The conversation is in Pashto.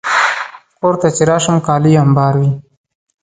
کور ته چې راشم، کالي امبار وي.